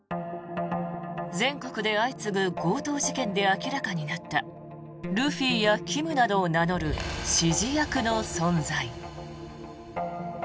全国で相次ぐ強盗事件で明らかになったルフィやキムなどを名乗る指示役の存在。